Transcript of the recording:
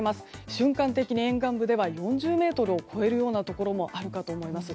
瞬間的に沿岸部では４０メートルを超えるようなところもあるかと思います。